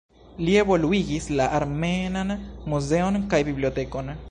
Li evoluigis la armenan muzeon kaj bibliotekon.